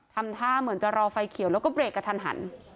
ทำท่าเหมือนจะรอไฟเขียวแล้วก็เบรกกระทันหัน